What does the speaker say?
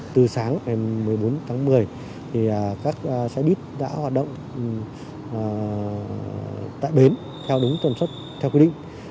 từ sáng một mươi bốn tháng một mươi thì các xe buýt đã hoạt động tại bến theo đúng tồn xuất theo quy định